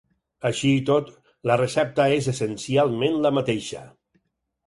Així i tot, la recepta és essencialment la mateixa.